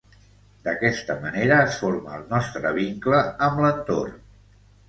D'aquesta manera es forma el nostre vincle amb l'entorn.